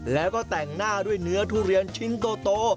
แล้วก็แต่งหน้าด้วยเนื้อทุเรียนชิ้นโต